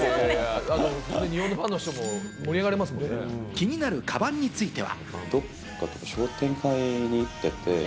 気になるカバンについては。